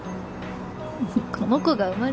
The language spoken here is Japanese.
この子が生まれたらね。